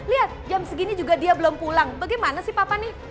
lihat jam segini juga dia belum pulang bagaimana sih papany